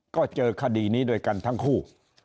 ก็เจอคดีนี้ด้วยกันทั้งคู่